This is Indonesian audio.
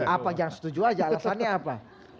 apa jangan setuju aja alasannya apa